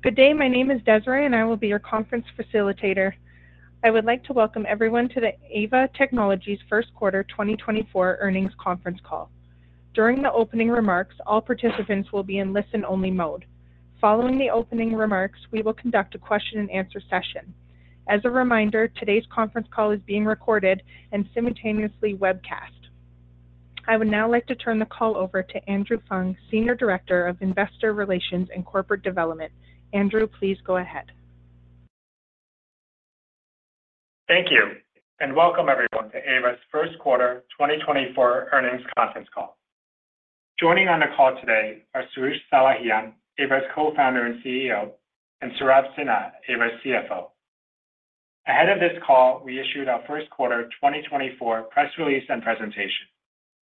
Good day. My name is Desiree, and I will be your conference facilitator. I would like to welcome everyone to the Aeva Technologies' First Quarter 2024 earnings conference call. During the opening remarks, all participants will be in listen-only mode. Following the opening remarks, we will conduct a question-and-answer session. As a reminder, today's conference call is being recorded and simultaneously webcast. I would now like to turn the call over to Andrew Fung, Senior Director of Investor Relations and Corporate Development. Andrew, please go ahead. Thank you, and welcome, everyone, to Aeva's First Quarter 2024 earnings conference call. Joining on the call today are Soroush Salehian, Aeva's Co-founder and CEO, and Saurabh Sinha, Aeva's CFO. Ahead of this call, we issued our first quarter 2024 press release and presentation,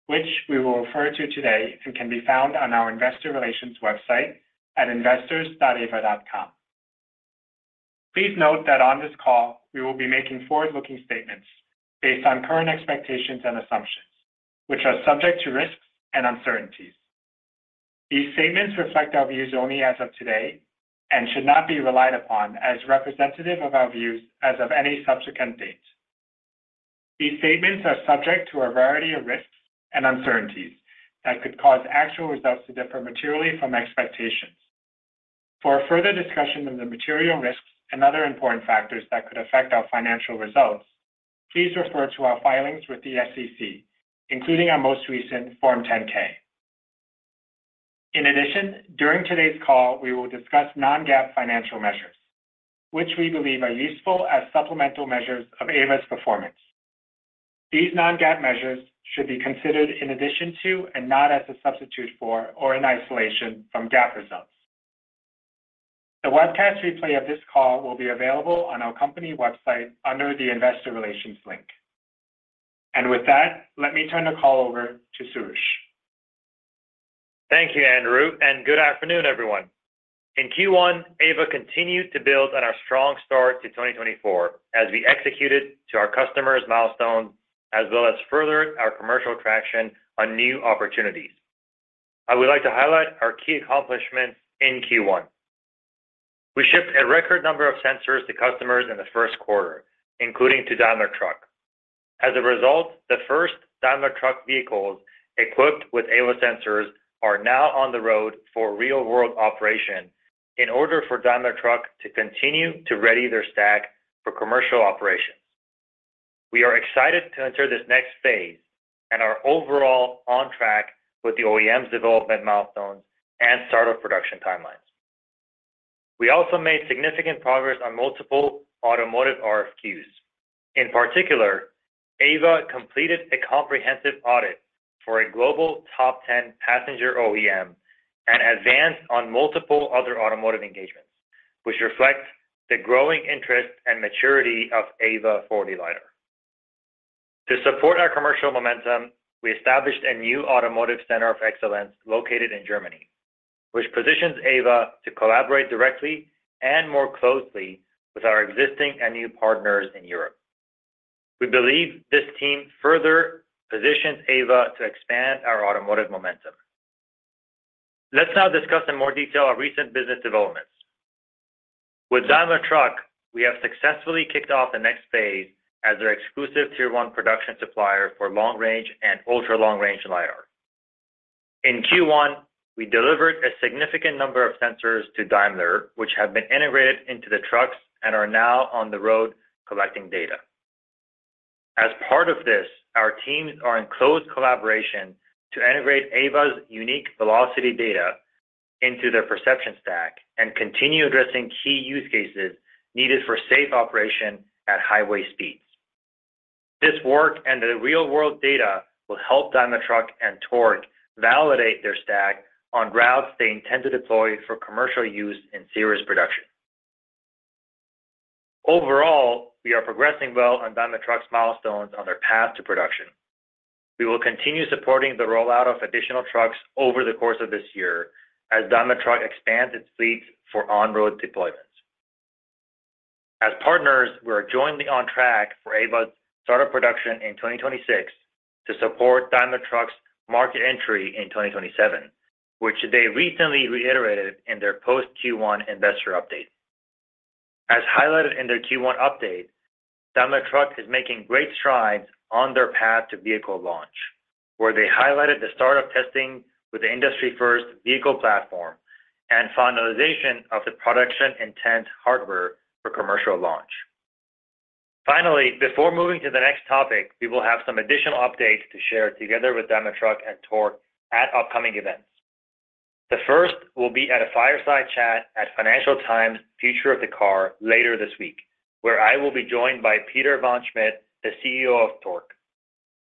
which we will refer to today and can be found on our investor relations website at investors.aeva.com. Please note that on this call, we will be making forward-looking statements based on current expectations and assumptions, which are subject to risks and uncertainties. These statements reflect our views only as of today and should not be relied upon as representative of our views as of any subsequent date. These statements are subject to a variety of risks and uncertainties that could cause actual results to differ materially from expectations. For a further discussion of the material risks and other important factors that could affect our financial results, please refer to our filings with the SEC, including our most recent Form 10-K. In addition, during today's call, we will discuss non-GAAP financial measures, which we believe are useful as supplemental measures of Aeva's performance. These non-GAAP measures should be considered in addition to and not as a substitute for or in isolation from GAAP results. The webcast replay of this call will be available on our company website under the Investor Relations link. With that, let me turn the call over to Soroush. Thank you, Andrew, and good afternoon, everyone. In Q1, Aeva continued to build on our strong start to 2024 as we executed to our customers' milestones, as well as furthered our commercial traction on new opportunities. I would like to highlight our key accomplishments in Q1. We shipped a record number of sensors to customers in the first quarter, including to Daimler Truck. As a result, the first Daimler Truck vehicles equipped with Aeva sensors are now on the road for real-world operation in order for Daimler Truck to continue to ready their stack for commercial operations. We are excited to enter this next phase and are overall on track with the OEM's development milestones and start of production timelines. We also made significant progress on multiple automotive RFQs. In particular, Aeva completed a comprehensive audit for a global top 10 passenger OEM and advanced on multiple other automotive engagements, which reflects the growing interest and maturity of Aeva 4D LiDAR. To support our commercial momentum, we established a new Automotive Center of Excellence located in Germany, which positions Aeva to collaborate directly and more closely with our existing and new partners in Europe. We believe this team further positions Aeva to expand our automotive momentum. Let's now discuss in more detail our recent business developments. With Daimler Truck, we have successfully kicked off the next phase as their exclusive Tier 1 production supplier for long-range and ultra-long-range LiDAR. In Q1, we delivered a significant number of sensors to Daimler, which have been integrated into the trucks and are now on the road collecting data. As part of this, our teams are in close collaboration to integrate Aeva's unique velocity data into their perception stack and continue addressing key use cases needed for safe operation at highway speeds. This work and the real-world data will help Daimler Truck and Torc validate their stack on routes they intend to deploy for commercial use in series production. Overall, we are progressing well on Daimler Truck's milestones on their path to production. We will continue supporting the rollout of additional trucks over the course of this year as Daimler Truck expands its fleet for on-road deployments. As partners, we are jointly on track for Aeva's start of production in 2026 to support Daimler Truck's market entry in 2027, which they recently reiterated in their post Q1 investor update. As highlighted in their Q1 update, Daimler Truck is making great strides on their path to vehicle launch, where they highlighted the start of testing with the industry-first vehicle platform and finalization of the production intent hardware for commercial launch. Finally, before moving to the next topic, we will have some additional updates to share together with Daimler Truck and Torc at upcoming events. The first will be at a fireside chat at Financial Times Future of the Car later this week, where I will be joined by Peter Vaughan Schmidt, the CEO of Torc.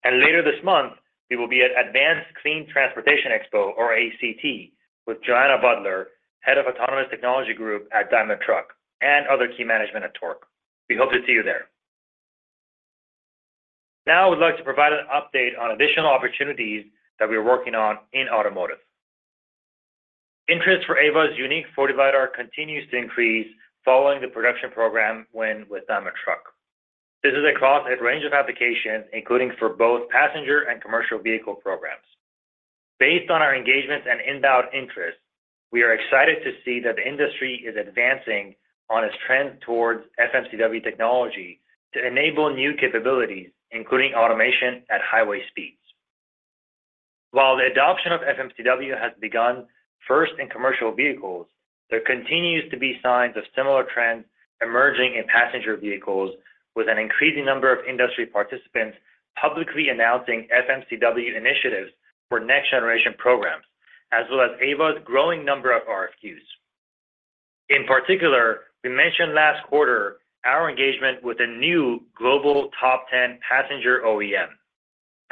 Later this month, we will be at Advanced Clean Transportation Expo, or ACT, with Joanna Buttler, Head of Autonomous Technology Group at Daimler Truck, and other key management at Torc. We hope to see you there. Now, I would like to provide an update on additional opportunities that we are working on in automotive. Interest in Aeva's unique 4D LiDAR continues to increase following the production program win with Daimler Truck. This is across a range of applications, including for both passenger and commercial vehicle programs. Based on our engagements and inbound interest, we are excited to see that the industry is advancing on its trend towards FMCW technology to enable new capabilities, including automation at highway speeds. While the adoption of FMCW has begun first in commercial vehicles, there continues to be signs of similar trends emerging in passenger vehicles, with an increasing number of industry participants publicly announcing FMCW initiatives for next generation programs, as well as Aeva's growing number of RFQs. In particular, we mentioned last quarter our engagement with a new global top 10 passenger OEM.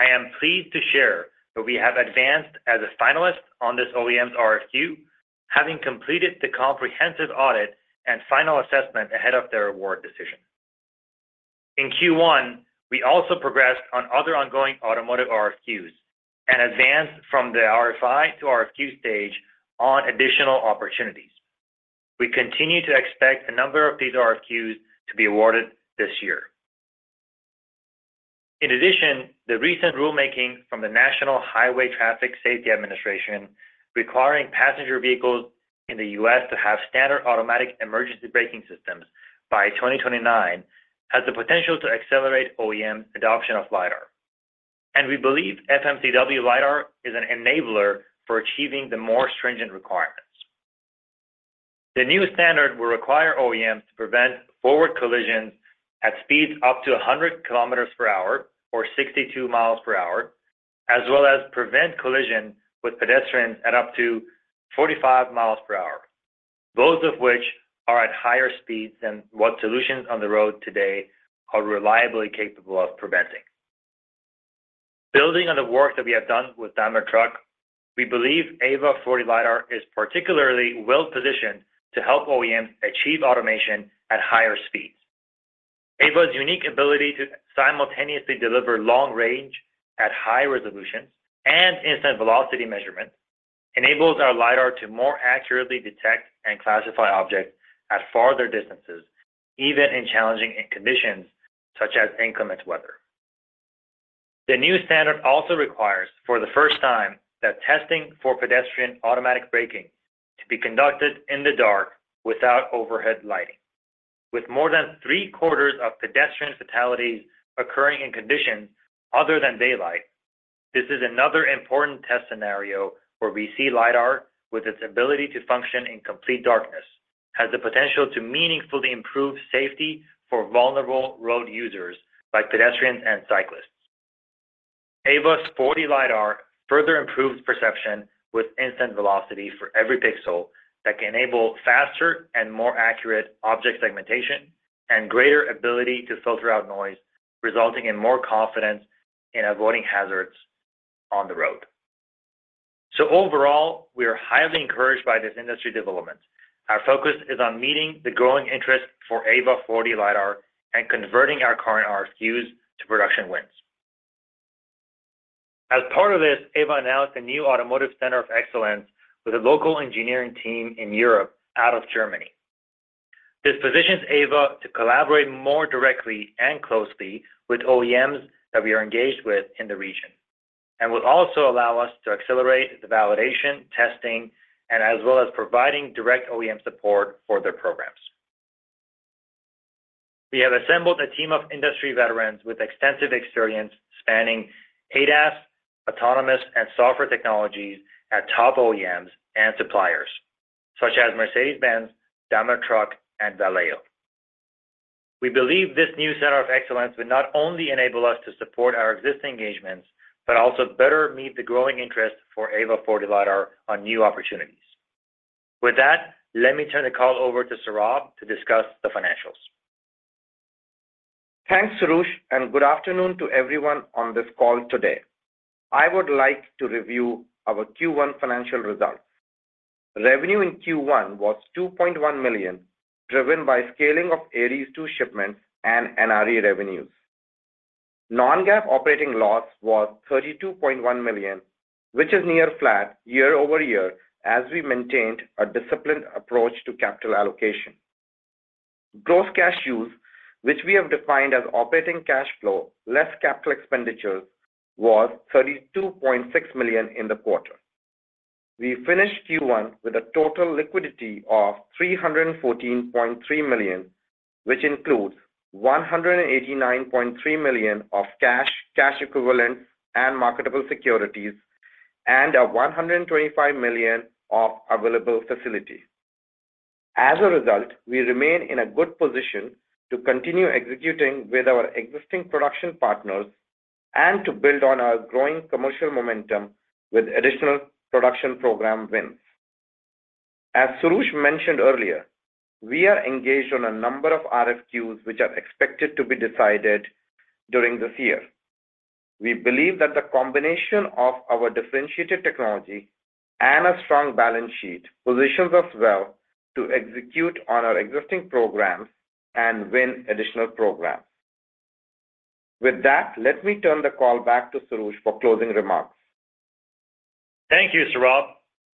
I am pleased to share that we have advanced as a finalist on this OEM's RFQ, having completed the comprehensive audit and final assessment ahead of their award decision. In Q1, we also progressed on other ongoing automotive RFQs and advanced from the RFI to RFQ stage on additional opportunities. We continue to expect a number of these RFQs to be awarded this year. In addition, the recent rulemaking from the National Highway Traffic Safety Administration, requiring passenger vehicles in the U.S. to have standard automatic emergency braking systems by 2029, has the potential to accelerate OEM adoption of LiDAR. We believe FMCW LiDAR is an enabler for achieving the more stringent requirements. The new standard will require OEMs to prevent forward collisions at speeds up to 100 kilometers per hour or 62 miles per hour, as well as prevent collision with pedestrians at up to 45 miles per hour, both of which are at higher speeds than what solutions on the road today are reliably capable of preventing. Building on the work that we have done with Daimler Truck, we believe Aeva 4D LiDAR is particularly well positioned to help OEMs achieve automation at higher speeds. Aeva's unique ability to simultaneously deliver long range at high resolution and instant velocity measurement enables our LiDAR to more accurately detect and classify objects at farther distances, even in challenging conditions such as inclement weather. The new standard also requires, for the first time, that testing for pedestrian automatic braking to be conducted in the dark without overhead lighting. With more than 3/4 of pedestrian fatalities occurring in conditions other than daylight, this is another important test scenario where we see LiDAR, with its ability to function in complete darkness, has the potential to meaningfully improve safety for vulnerable road users, like pedestrians and cyclists. Aeva's 4D LiDAR further improves perception with instant velocity for every pixel that can enable faster and more accurate object segmentation and greater ability to filter out noise, resulting in more confidence in avoiding hazards on the road. So overall, we are highly encouraged by this industry development. Our focus is on meeting the growing interest for Aeva 4D LiDAR and converting our current RFQs to production wins. As part of this, Aeva announced a new Automotive Center of Excellence with a local engineering team in Europe, out of Germany. This positions Aeva to collaborate more directly and closely with OEMs that we are engaged with in the region, and will also allow us to accelerate the validation, testing, and as well as providing direct OEM support for their programs. We have assembled a team of industry veterans with extensive experience spanning ADAS, autonomous and software technologies at top OEMs and suppliers, such as Mercedes-Benz, Daimler Truck, and Valeo. We believe this new center of excellence will not only enable us to support our existing engagements, but also better meet the growing interest for Aeva 4D LiDAR on new opportunities. With that, let me turn the call over to Saurabh to discuss the financials. Thanks, Soroush, and good afternoon to everyone on this call today. I would like to review our Q1 financial results. Revenue in Q1 was $2.1 million, driven by scaling of Aeries II shipments and NRE revenues. Non-GAAP operating loss was $32.1 million, which is near flat year-over-year, as we maintained a disciplined approach to capital allocation. Gross cash use, which we have defined as operating cash flow less capital expenditures, was $32.6 million in the quarter. We finished Q1 with a total liquidity of $314.3 million, which includes $189.3 million of cash, cash equivalents, and marketable securities, and a $125 million of available facilities. As a result, we remain in a good position to continue executing with our existing production partners and to build on our growing commercial momentum with additional production program wins. As Soroush mentioned earlier, we are engaged on a number of RFQs which are expected to be decided during this year. We believe that the combination of our differentiated technology and a strong balance sheet positions us well to execute on our existing programs and win additional programs. With that, let me turn the call back to Soroush for closing remarks. Thank you, Saurabh....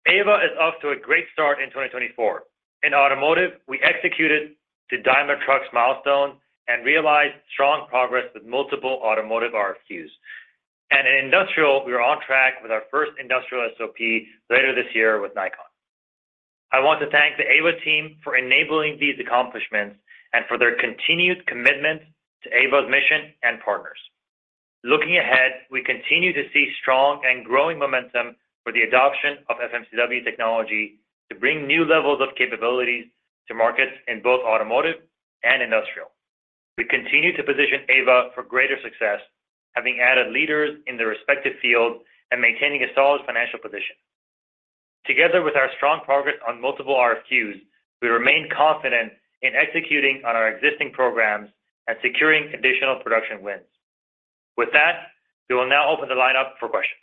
Aeva is off to a great start in 2024. In automotive, we executed the Daimler Truck milestone and realized strong progress with multiple automotive RFQs. In industrial, we are on track with our first industrial SOP later this year with Nikon. I want to thank the Aeva team for enabling these accomplishments and for their continued commitment to Aeva's mission and partners. Looking ahead, we continue to see strong and growing momentum for the adoption of FMCW technology to bring new levels of capabilities to markets in both automotive and industrial. We continue to position Aeva for greater success, having added leaders in their respective field and maintaining a solid financial position. Together with our strong progress on multiple RFQs, we remain confident in executing on our existing programs and securing additional production wins. With that, we will now open the line up for questions.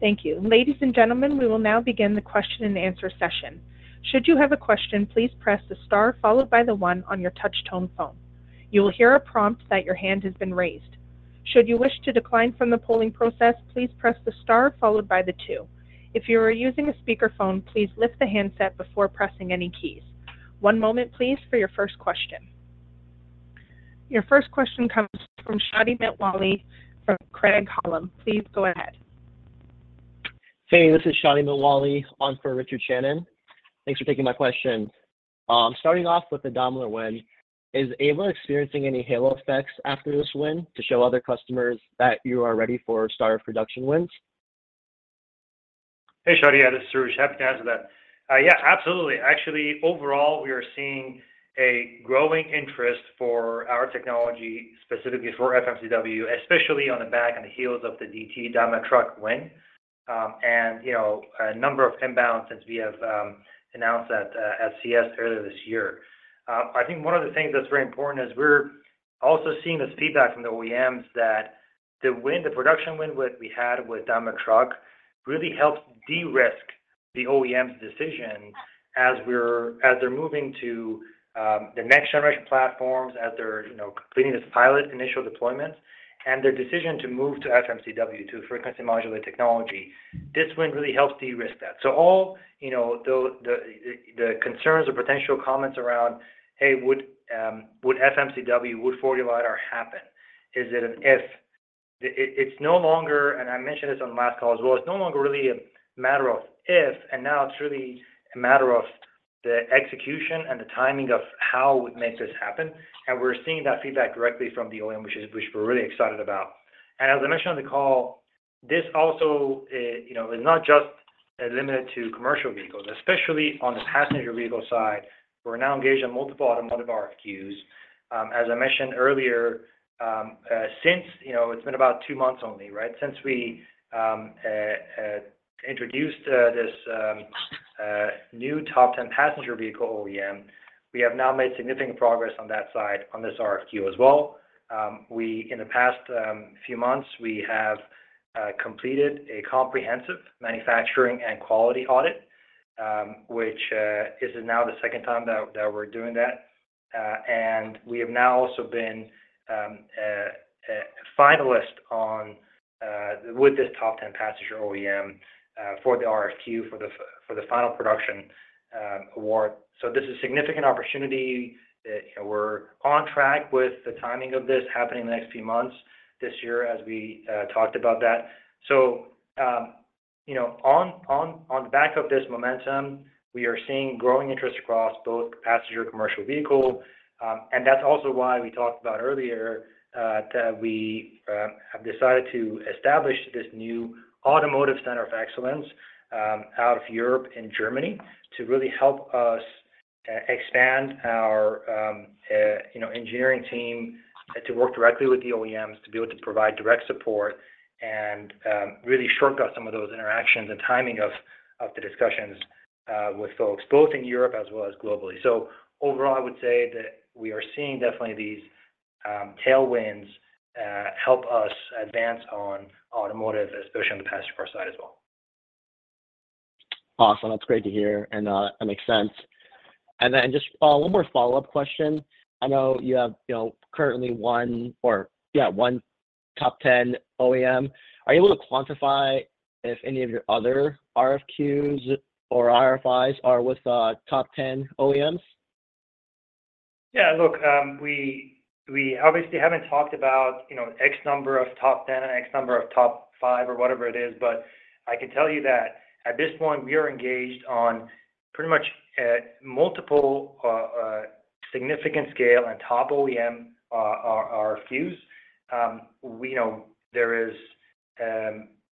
Thank you. Ladies and gentlemen, we will now begin the question-and-answer session. Should you have a question, please press the star followed by the one on your touch tone phone. You will hear a prompt that your hand has been raised. Should you wish to decline from the polling process, please press the star followed by the two. If you are using a speakerphone, please lift the handset before pressing any keys. One moment, please, for your first question. Your first question comes from Shadi Mitwalli from Craig-Hallum. Please go ahead. Hey, this is Shadi Mitwalli on for Richard Shannon. Thanks for taking my question. Starting off with the Daimler win, is Aeva experiencing any halo effects after this win to show other customers that you are ready for start of production wins? Hey, Shadi, this is Soroush. Happy to answer that. Yeah, absolutely. Actually, overall, we are seeing a growing interest for our technology, specifically for FMCW, especially on the back, on the heels of the DT, Daimler Truck win. And, you know, a number of inbound since we have announced that at CES earlier this year. I think one of the things that's very important is we're also seeing this feedback from the OEMs that the win, the production win, which we had with Daimler Truck, really helped de-risk the OEM's decision as we're - as they're moving to the next generation platforms, as they're, you know, completing this pilot initial deployment and their decision to move to FMCW, to frequency modulated technology. This win really helps de-risk that. So all, you know, the concerns or potential comments around, hey, would FMCW, would 4D LiDAR happen? Is it an if? It's no longer, and I mentioned this on the last call as well, it's no longer really a matter of if, and now it's really a matter of the execution and the timing of how we make this happen. And we're seeing that feedback directly from the OEM, which we're really excited about. And as I mentioned on the call, this also, you know, is not just limited to commercial vehicles, especially on the passenger vehicle side. We're now engaged in multiple automotive RFQs. As I mentioned earlier, since, you know, it's been about two months only, right? Since we introduced this new top 10 passenger vehicle OEM, we have now made significant progress on that side, on this RFQ as well. We, in the past few months, we have completed a comprehensive manufacturing and quality audit, which is now the second time that, that we're doing that. And we have now also been a finalist on with this top 10 passenger OEM for the RFQ, for the final production award. So this is a significant opportunity that we're on track with the timing of this happening in the next few months this year, as we talked about that. So, you know, on the back of this momentum, we are seeing growing interest across both passenger commercial vehicle. And that's also why we talked about earlier, that we have decided to establish this new Automotive Center of Excellence, out of Europe and Germany, to really help us expand our, you know, engineering team, to work directly with the OEMs, to be able to provide direct support and, really shortcut some of those interactions and timing of the discussions, with folks, both in Europe as well as globally. So overall, I would say that we are seeing definitely these tailwinds help us advance on automotive, especially on the passenger car side as well. Awesome. That's great to hear, and, that makes sense. And then just, one more follow-up question. I know you have, you know, currently one or, yeah, one top ten OEM. Are you able to quantify if any of your other RFQs or RFIs are with, top ten OEMs? Yeah, look, we obviously haven't talked about, you know, X number of top ten and X number of top five or whatever it is, but I can tell you that at this point, we are engaged on pretty much at multiple, significant scale and top OEM, RFQs. We know there is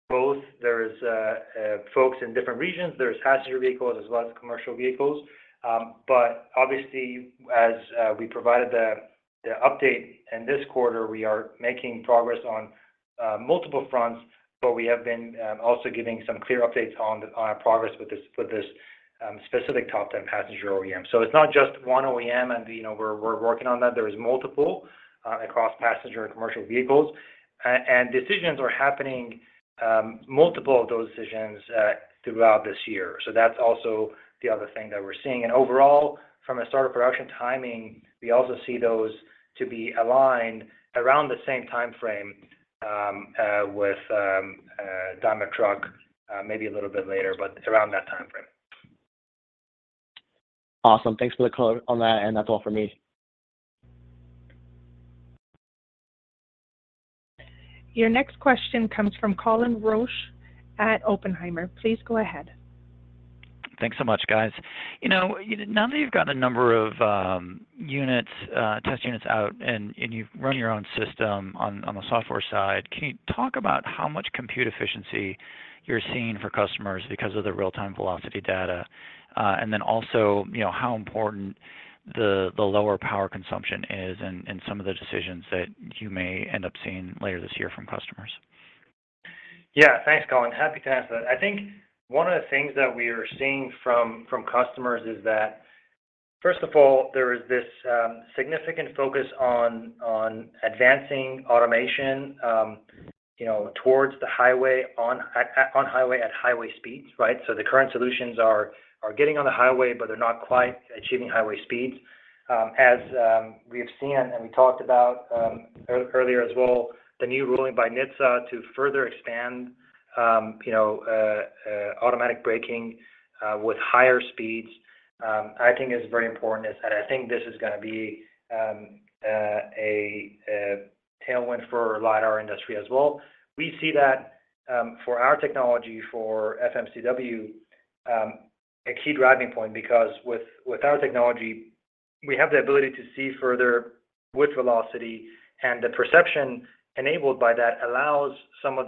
both, there is folks in different regions, there's passenger vehicles as well as commercial vehicles. But obviously, as we provided the update in this quarter, we are making progress on multiple fronts, but we have been also giving some clear updates on our progress with this specific top ten passenger OEM. So it's not just one OEM, and, you know, we're working on that. There is multiple across passenger and commercial vehicles. And decisions are happening, multiple of those decisions throughout this year. So that's also the other thing that we're seeing. And overall, from a start of production timing, we also see those to be aligned around the same time frame with Daimler Truck, maybe a little bit later, but it's around that time frame.... Awesome. Thanks for the color on that, and that's all for me. Your next question comes from Colin Rusch at Oppenheimer. Please go ahead. Thanks so much, guys. You know, now that you've got a number of units, test units out, and you've run your own system on the software side, can you talk about how much compute efficiency you're seeing for customers because of the real-time velocity data? And then also, you know, how important the lower power consumption is and some of the decisions that you may end up seeing later this year from customers. Yeah, thanks, Colin. Happy to answer that. I think one of the things that we are seeing from customers is that, first of all, there is this significant focus on advancing automation, you know, towards the highway on highway at highway speeds, right? So the current solutions are getting on the highway, but they're not quite achieving highway speeds. As we have seen, and we talked about earlier as well, the new ruling by NHTSA to further expand, you know, automatic braking with higher speeds, I think is very important, and I think this is gonna be a tailwind for LiDAR industry as well. We see that, for our technology, for FMCW, a key driving point, because with our technology, we have the ability to see further with velocity, and the perception enabled by that allows some of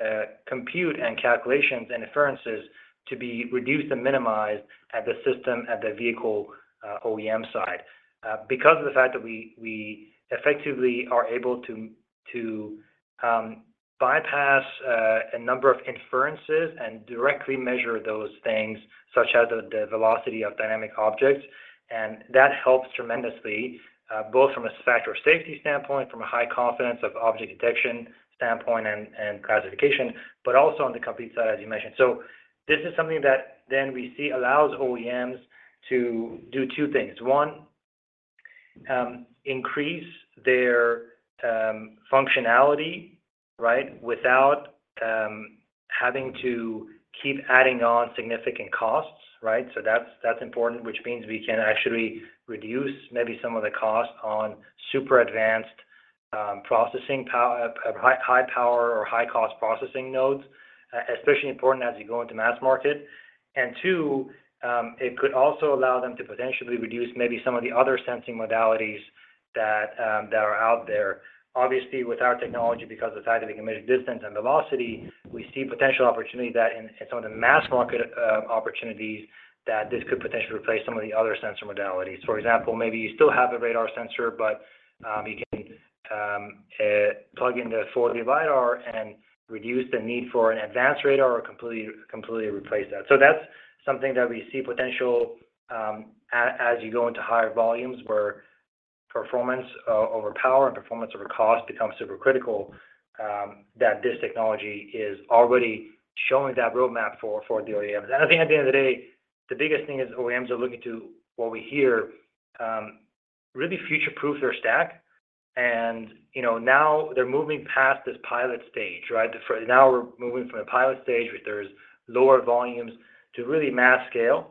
those, compute and calculations and inferences to be reduced and minimized at the system, at the vehicle, OEM side. Because of the fact that we effectively are able to to bypass, a number of inferences and directly measure those things, such as the velocity of dynamic objects, and that helps tremendously, both from a factor of safety standpoint, from a high confidence of object detection standpoint and classification, but also on the compute side, as you mentioned. So this is something that then we see allows OEMs to do two things. One, increase their functionality, right, without having to keep adding on significant costs, right? So that's important, which means we can actually reduce maybe some of the cost on super advanced processing power, high power or high cost processing nodes, especially important as you go into mass market. And two, it could also allow them to potentially reduce maybe some of the other sensing modalities that are out there. Obviously, with our technology, because of the fact that we can measure distance and velocity, we see potential opportunity that in some of the mass market opportunities, that this could potentially replace some of the other sensor modalities. For example, maybe you still have a radar sensor, but you can plug in the solid LiDAR and reduce the need for an advanced radar or completely, completely replace that. So that's something that we see potential as you go into higher volumes where performance over power and performance over cost becomes super critical, that this technology is already showing that roadmap for the OEMs. And I think at the end of the day, the biggest thing is OEMs are looking to, what we hear, really future-proof their stack. And, you know, now they're moving past this pilot stage, right? For now, we're moving from the pilot stage, where there's lower volumes, to really mass scale.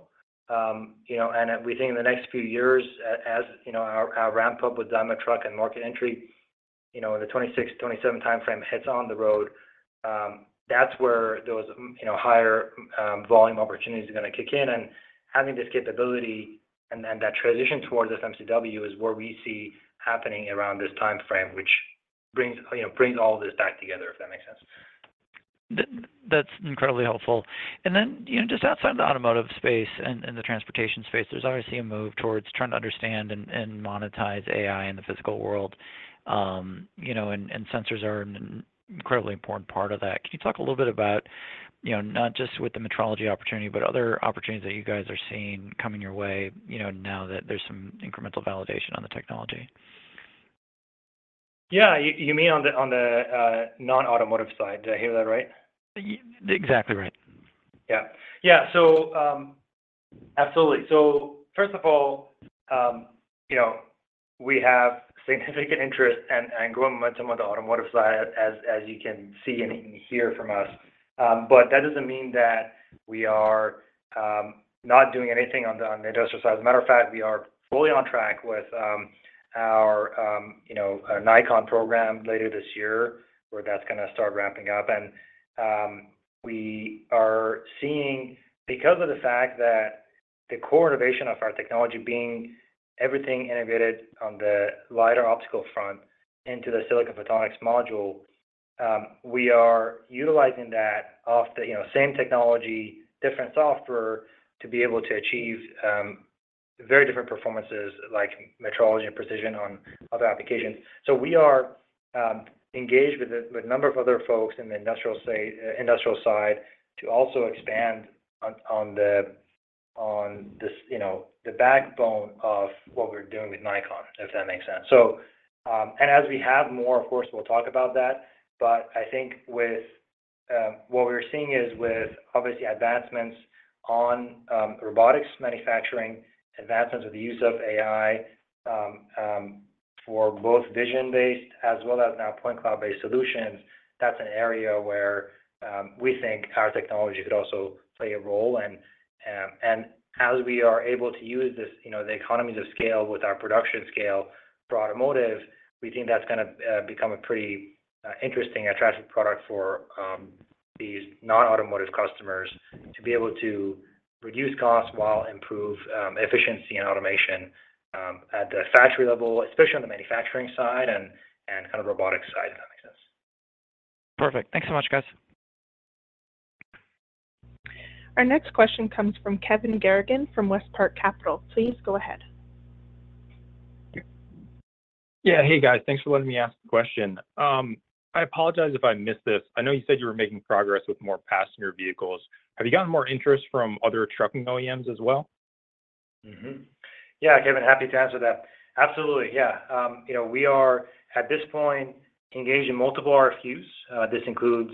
You know, and we think in the next few years, as you know, our, our ramp-up with Daimler Truck and market entry, you know, in the 2026, 2027 timeframe hits on the road, that's where those, you know, higher, volume opportunities are gonna kick in. And having this capability and then that transition towards FMCW is where we see happening around this timeframe, which brings, you know, brings all this back together, if that makes sense. That's incredibly helpful. And then, you know, just outside the automotive space and the transportation space, there's obviously a move towards trying to understand and monetize AI in the physical world. You know, sensors are an incredibly important part of that. Can you talk a little bit about, you know, not just with the metrology opportunity, but other opportunities that you guys are seeing coming your way, you know, now that there's some incremental validation on the technology? Yeah, you mean on the non-automotive side. Did I hear that right? Exactly right. Yeah. Yeah, so, absolutely. So first of all, you know, we have significant interest and, and growing momentum on the automotive side, as, as you can see and hear from us. But that doesn't mean that we are not doing anything on the industrial side. As a matter of fact, we are fully on track with our, you know, Nikon program later this year, where that's gonna start ramping up. And, we are seeing, because of the fact that the core innovation of our technology being everything integrated on the LiDAR optical front into the silicon photonics module, we are utilizing that off the, you know, same technology, different software, to be able to achieve very different performances, like metrology and precision on other applications. So we are engaged with a number of other folks in the industrial state, industrial side to also expand on, on the, on this, you know, the backbone of what we're doing with Nikon, if that makes sense. So, and as we have more, of course, we'll talk about that. But I think with... What we're seeing is with obviously advancements on, robotics, manufacturing, advancements of the use of AI, for both vision-based as well as now point cloud-based solutions, that's an area where, we think our technology could also play a role. And as we are able to use this, you know, the economies of scale with our production scale for automotive, we think that's gonna become a pretty interesting, attractive product for these non-automotive customers to be able to reduce costs while improve efficiency and automation at the factory level, especially on the manufacturing side and kind of robotic side that exists. Perfect. Thanks so much, guys. Our next question comes from Kevin Garrigan from WestPark Capital. Please go ahead. Yeah. Hey, guys. Thanks for letting me ask the question. I apologize if I missed this. I know you said you were making progress with more passenger vehicles. Have you gotten more interest from other trucking OEMs as well? Mm-hmm. Yeah, Kevin, happy to answer that. Absolutely, yeah. You know, we are, at this point, engaged in multiple RFQs. This includes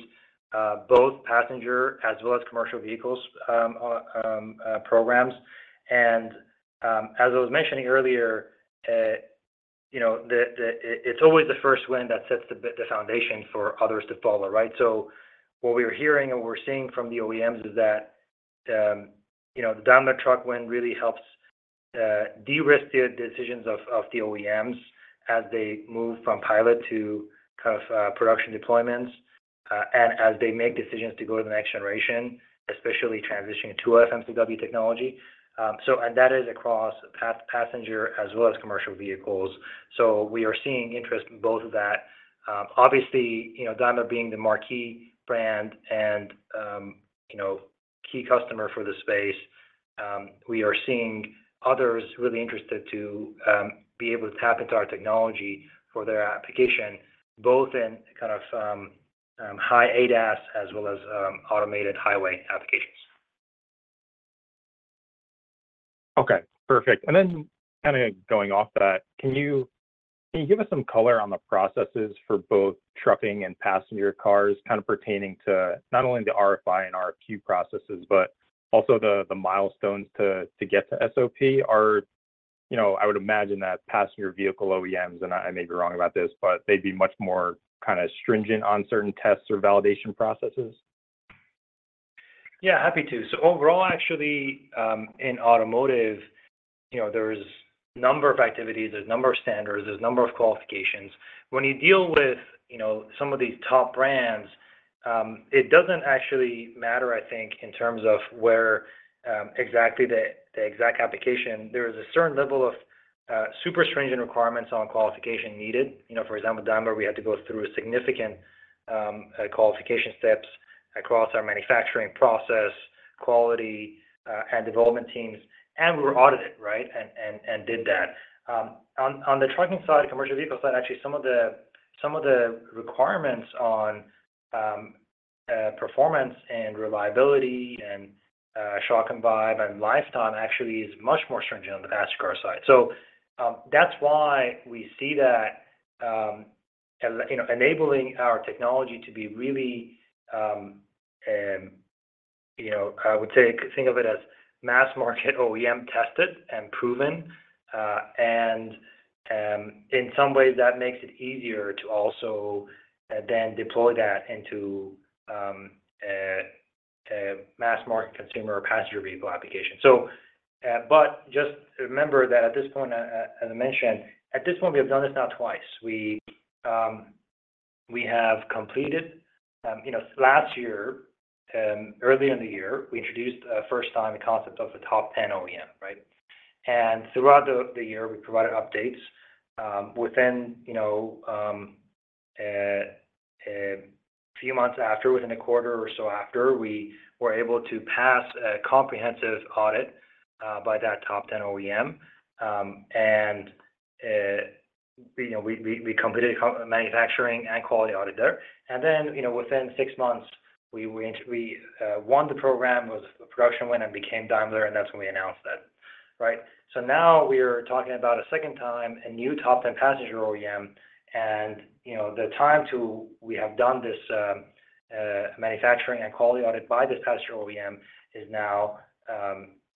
both passenger as well as commercial vehicles programs. And as I was mentioning earlier, you know, it's always the first win that sets the foundation for others to follow, right? So what we are hearing and we're seeing from the OEMs is that, you know, the Daimler Truck win really helps de-risk the decisions of the OEMs as they move from pilot to kind of production deployments, and as they make decisions to go to the next generation, especially transitioning to FMCW technology. So, and that is across passenger as well as commercial vehicles. So we are seeing interest in both of that. Obviously, you know, Daimler being the marquee brand and, you know, key customer for the space, we are seeing others really interested to be able to tap into our technology for their application, both in kind of some high ADAS as well as automated highway applications. Okay, perfect. And then kind of going off that, can you give us some color on the processes for both trucking and passenger cars, kind of pertaining to not only the RFI and RFQ processes, but also the milestones to get to SOP? You know, I would imagine that passenger vehicle OEMs, and I may be wrong about this, but they'd be much more kind of stringent on certain tests or validation processes. Yeah, happy to. So overall, actually, in automotive, you know, there's a number of activities, there's a number of standards, there's a number of qualifications. When you deal with, you know, some of these top brands, it doesn't actually matter, I think, in terms of where exactly the exact application. There is a certain level of super stringent requirements on qualification needed. You know, for example, Daimler, we had to go through a significant qualification steps across our manufacturing process, quality, and development teams, and we were audited, right? And did that. On the trucking side, commercial vehicle side, actually, some of the requirements on performance and reliability and shock and vibe and lifetime actually is much more stringent on the passenger car side. So, that's why we see that, you know, enabling our technology to be really, you know, I would say, think of it as mass market OEM tested and proven. In some ways, that makes it easier to also then deploy that into a mass market consumer or passenger vehicle application. But just remember that at this point, as I mentioned, at this point, we have done this now twice. We have completed, you know, last year, early in the year, we introduced first time the concept of the top 10 OEM, right? And throughout the year, we provided updates, within a few months after, within a quarter or so after, we were able to pass a comprehensive audit by that top 10 OEM. And, you know, we completed manufacturing and quality audit there. And then, you know, within six months, we won the program, was a production win and became Daimler, and that's when we announced that, right? So now we are talking about a second time, a new top 10 passenger OEM, and, you know, the time to we have done this, manufacturing and quality audit by this passenger OEM is now,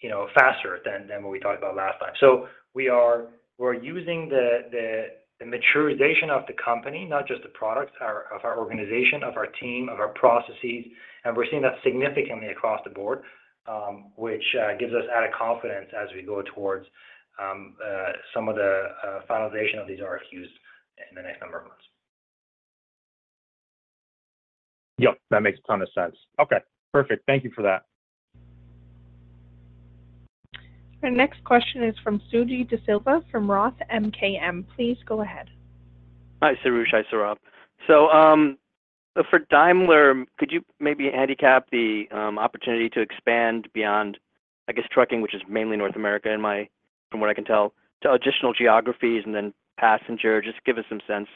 you know, faster than what we talked about last time. So we're using the maturation of the company, not just the products of our organization, of our team, of our processes, and we're seeing that significantly across the board, which gives us added confidence as we go towards some of the finalization of these RFQs in the next number of months. Yep, that makes a ton of sense. Okay, perfect. Thank you for that. Our next question is from Suji DeSilva from Roth MKM. Please go ahead. Hi, Soroush. Hi, Saurabh. So, for Daimler, could you maybe handicap the opportunity to expand beyond, I guess, trucking, which is mainly North America, in my from what I can tell, to additional geographies and then passenger? Just give us some sense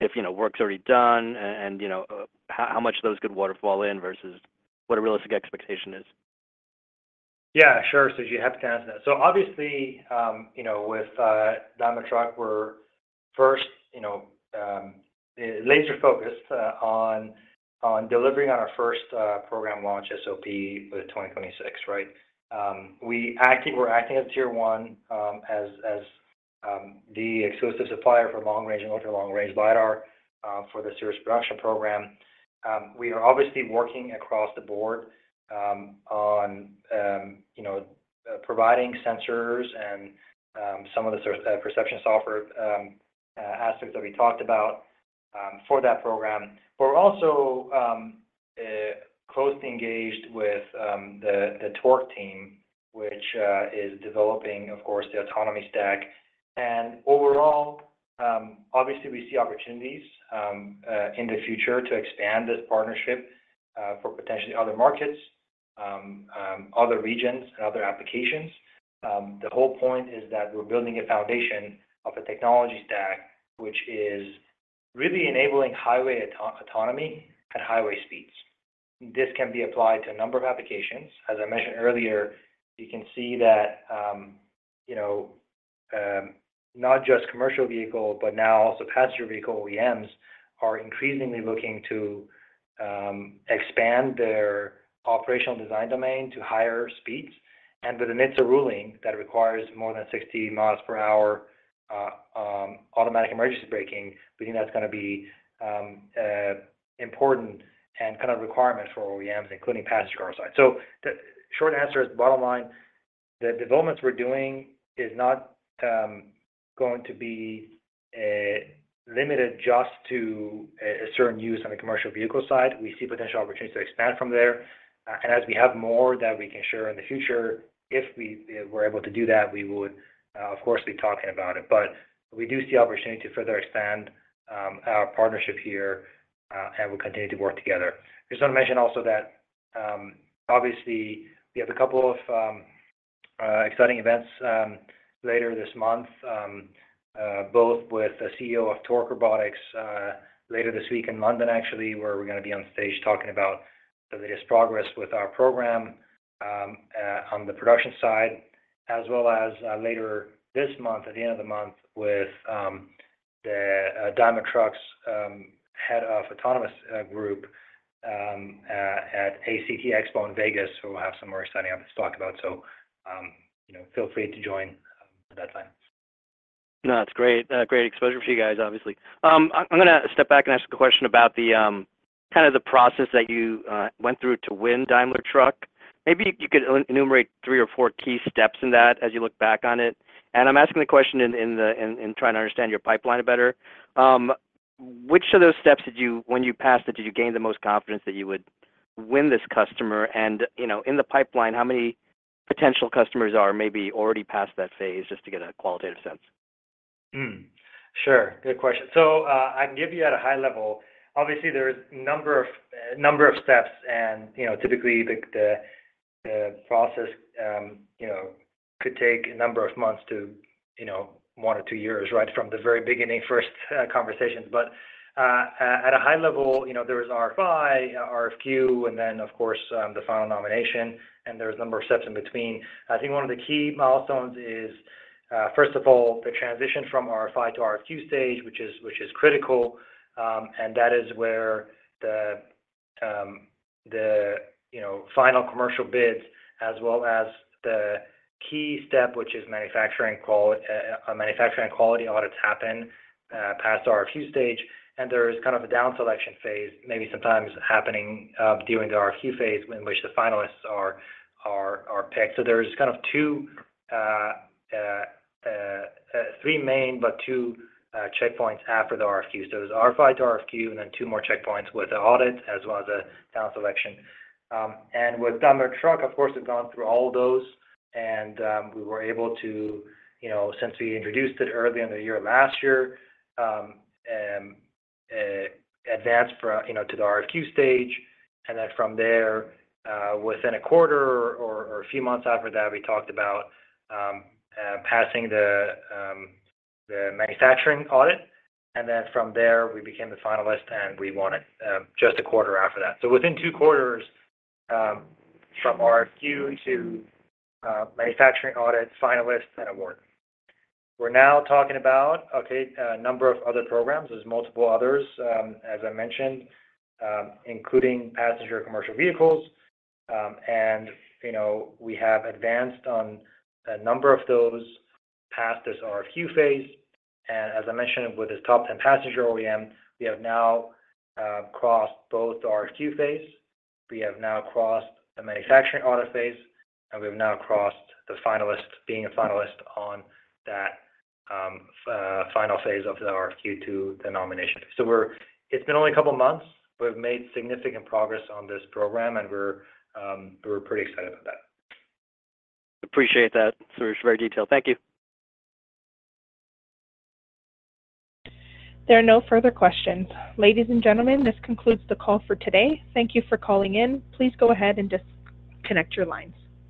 if, you know, work's already done and, you know, how much of those could waterfall in versus what a realistic expectation is. Yeah, sure, Suji, happy to answer that. So obviously, you know, with Daimler Truck, we're laser focused on delivering on our first program launch, SOP for 2026, right? We're acting as tier one, as the exclusive supplier for long range and ultra long range LiDAR for the series production program. We are obviously working across the board on providing sensors and some of the sort perception software aspects that we talked about for that program. But we're also closely engaged with the Torc team, which is developing, of course, the autonomy stack. Overall, obviously, we see opportunities in the future to expand this partnership for potentially other markets, other regions, and other applications. The whole point is that we're building a foundation of a technology stack, which is really enabling highway autonomy at highway speeds. This can be applied to a number of applications. As I mentioned earlier, you can see that, you know, not just commercial vehicle, but now also passenger vehicle OEMs are increasingly looking to expand their operational design domain to higher speeds. And with the NHTSA ruling, that requires more than 60 miles per hour automatic emergency braking, we think that's gonna be important and kind of requirement for OEMs, including passenger car side. So the short answer is, bottom line, the developments we're doing is not going to be limited just to a certain use on the commercial vehicle side. We see potential opportunities to expand from there. And as we have more that we can share in the future, if we were able to do that, we would of course be talking about it. But we do see opportunity to further expand our partnership here, and we'll continue to work together. I just wanna mention also that, obviously, we have a couple of exciting events later this month, both with the CEO of Torc Robotics later this week in London, actually, where we're gonna be on stage talking about the latest progress with our program on the production side, as well as later this month, at the end of the month, with the head of autonomous group at Daimler Truck at ACT Expo in Vegas. So we'll have some more exciting updates to talk about. So, you know, feel free to join at that time. No, that's great, great exposure for you guys, obviously. I'm gonna step back and ask a question about the kind of the process that you went through to win Daimler Truck. Maybe you could enumerate three or four key steps in that as you look back on it. I'm asking the question in trying to understand your pipeline better. Which of those steps did you, when you passed it, did you gain the most confidence that you would win this customer? You know, in the pipeline, how many potential customers are maybe already past that phase, just to get a qualitative sense? Hmm. Sure. Good question. So, I can give you at a high level. Obviously, there is a number of steps, and, you know, typically, the process, you know, could take a number of months to, you know, one or two years, right from the very beginning, first conversations. But at a high level, you know, there is RFI, RFQ, and then, of course, the final nomination, and there's a number of steps in between. I think one of the key milestones is, first of all, the transition from RFI to RFQ stage, which is critical, and that is where the, you know, final commercial bids, as well as the key step, which is manufacturing and quality audits happen, past RFQ stage. There is kind of a down selection phase, maybe sometimes happening during the RFQ phase, in which the finalists are picked. So there is kind of two, three main, but two checkpoints after the RFQ. So there's RFI to RFQ, and then two more checkpoints with the audit, as well as a down selection. And with Daimler Truck, of course, we've gone through all of those, and we were able to, you know, since we introduced it early in the year, last year, advance for, you know, to the RFQ stage. And then from there, within a quarter or a few months after that, we talked about passing the manufacturing audit. And then from there, we became the finalist, and we won it just a quarter after that. So within two quarters, from RFQ to manufacturing audit, finalists, and award. We're now talking about a number of other programs. There's multiple others, as I mentioned, including passenger commercial vehicles. You know, we have advanced on a number of those past this RFQ phase. As I mentioned, with this top 10 passenger OEM, we have now crossed both RFQ phase, we have now crossed the manufacturing audit phase, and we've now crossed the finalist, being a finalist on that final phase of the RFQ to the nomination. So it's been only a couple of months. We've made significant progress on this program, and we're pretty excited about that. Appreciate that. So it's very detailed. Thank you. There are no further questions. Ladies and gentlemen, this concludes the call for today. Thank you for calling in. Please go ahead and disconnect your lines.